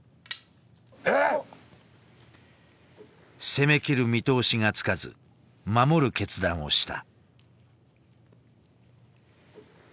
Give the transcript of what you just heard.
攻め切る見通しがつかず守る決断をした。